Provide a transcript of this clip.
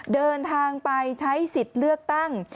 เดินทางไปใช้สิทธิ์เลือกตั้ง